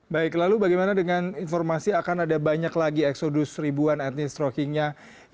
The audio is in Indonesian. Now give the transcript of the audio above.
baik lalu bagaimana dengan informasi akan ada banyak lagi eksodus ribuan etnis strokingnya yang ingin diperoleh